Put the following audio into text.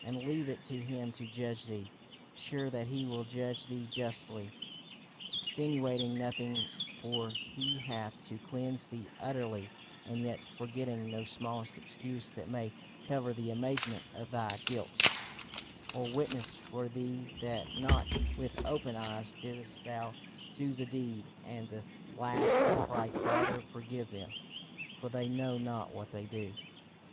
And leave it to him to judge thee sure that he will judge thee justly, extenuating nothing, for he hath to cleanse thee utterly, and yet forgetting no smallest excuse that may cover the amazement of thy guilt, or witness for thee that not with open eyes didst thou do the deed. At the last he cried, Father forgive them, for they know not what they do.